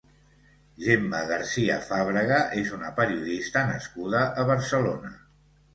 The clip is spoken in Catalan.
Gemma Garcia Fàbrega és una periodista nascuda a Barcelona.